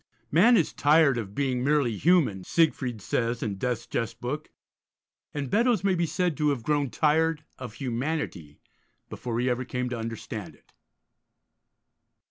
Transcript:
'Man is tired of being merely human,' Siegfried says, in Death's Jest Book, and Beddoes may be said to have grown tired of humanity before he ever came to understand it.